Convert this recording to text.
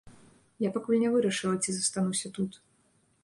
Я пакуль не вырашыла, ці застануся тут.